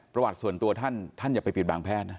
ประวัติส่วนตัวท่านท่านอย่าไปปิดบางแพทย์นะ